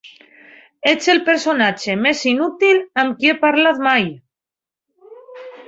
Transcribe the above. Ets el personatge més inútil amb qui he parlat mai.